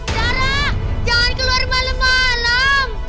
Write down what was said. cara jangan keluar malam malam